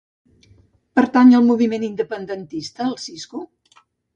Pertany al moviment independentista el Siscu?